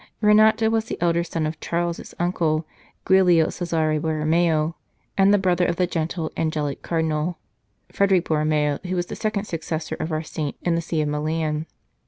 Renato was the elder son of Charles s uncle, Giulio Cesare Borromeo, and the brother of the gentle, angelic Cardinal Frederick Bor romeo who was the second successor of our saint in the See of Milan.